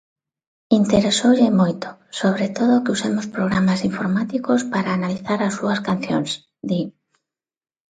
Interesoulle moito, sobre todo que usemos programas informáticos para analizar as súas cancións, di.